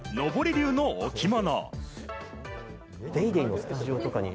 龍の置物。